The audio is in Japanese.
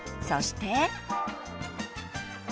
そして。